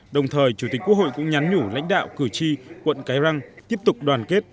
đồng thời chủ tịch quốc hội cũng nhắn nhủ lãnh đạo cử tri quận cái răng tiếp tục đoàn kết